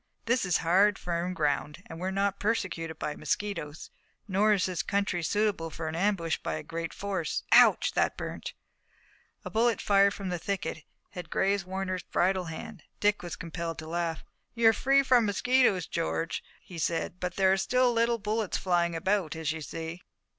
This is hard, firm ground, and we're not persecuted by mosquitoes. Nor is the country suitable for an ambush by a great force. Ouch, that burnt!" A bullet fired from a thicket had grazed Warner's bridle hand. Dick was compelled to laugh. "You're free from mosquitoes, George," he said, "but there are still little bullets flying about, as you see."